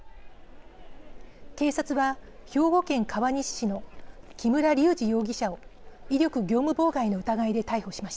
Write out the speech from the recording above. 警察は兵庫県川西市の木村隆二容疑者を威力業務妨害の疑いで逮捕しました。